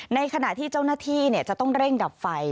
ในขณะที่เจ้าหน้าที่จะต้องเร่งดับไฟ